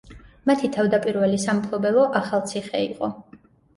მათი თავდაპირველი სამფლობელო ახალციხე იყო.